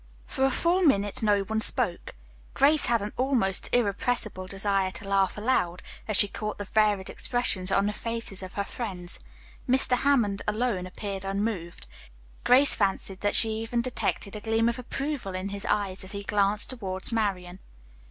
For a full minute no one spoke. Grace had an almost irrepressible desire to laugh aloud, as she caught the varied expressions on the faces of her friends. Mr. Hammond alone appeared unmoved. Grace fancied that she even detected a gleam of approval in his eyes as he glanced toward Marian.